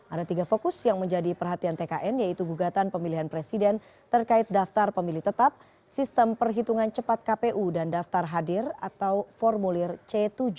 ada tiga fokus yang menjadi perhatian tkn yaitu gugatan pemilihan presiden terkait daftar pemilih tetap sistem perhitungan cepat kpu dan daftar hadir atau formulir c tujuh puluh